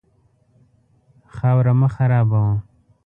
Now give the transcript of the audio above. خاوره مه خرابوه.